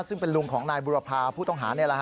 ซึ่งเป็นลุงของนายบุรพาผู้ต้องหาเนี่ยล่ะ